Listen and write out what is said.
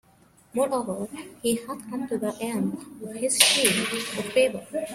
Moreover, he had come to the end of his sheet of paper.